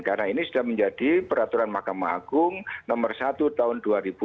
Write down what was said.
karena ini sudah menjadi peraturan mahkamah agung nomor satu tahun dua ribu sembilan belas